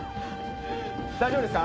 大丈夫ですか？